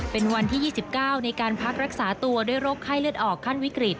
เป็นวันที่๒๙ในการพักรักษาตัวด้วยโรคไข้เลือดออกขั้นวิกฤต